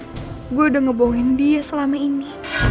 dia tau gue udah ngebohongin dia selama ini